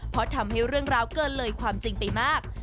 เพราะทำให้เรื่องราวเกินเลยความจริงไปมาก